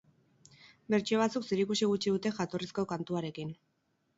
Bertsio batzuk zerikusi gutxi dute jatorrizko kantuarekin.